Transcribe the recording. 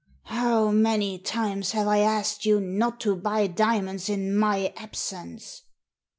" How many times have I asked you not to buy diamonds in my absence